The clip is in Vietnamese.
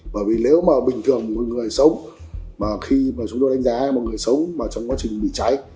bởi vì nếu mà bình thường một người sống mà khi mà chúng tôi đánh giá là một người xấu mà trong quá trình bị cháy